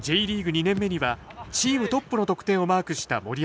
２年目にはチームトップの得点をマークした森山さん。